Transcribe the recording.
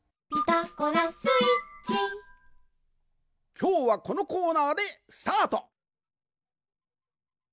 きょうはこのコーナーでスタート！